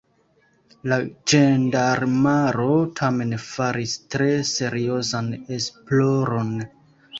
La ĝendarmaro tamen faris tre seriozan esploron.